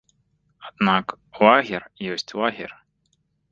Аднак лагер ёсць лагер.